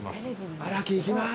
「荒木行きます！」